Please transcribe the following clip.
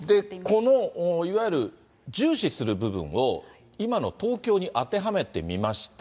このいわゆる重視する部分を、今の東京に当てはめてみました。